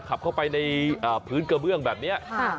ขับเข้าไปในพื้นกระเบื้องแบบนี้